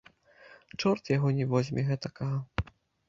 Чорт яго не возьме гэтакага.